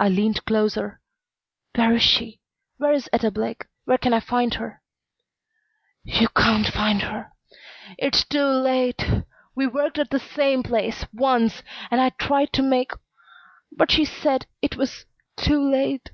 I leaned closer. "Where is she? Where is Etta Blake? Where can I find her?" "You can't find her. It's too late. We worked at the same place once. And I tried to make But she said it was too late."